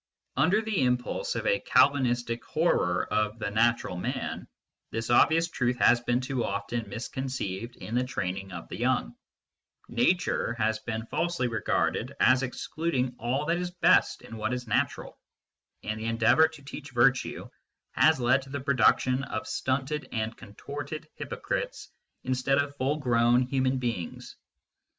Under the impulse of a Calvinistic horror of the " natural man," this obvious truth has been too often misconceived in the training of the young ;" nature " has been falsely regarded as excluding all that is best in what is natural, and the endeavour to teach virtue has led to the production of stunted and contorted hypocrites instead of full grown human beings.